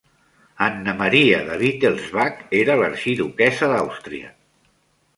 Anna Maria de Wittelsbach era l'arxiduquessa d'Àustria.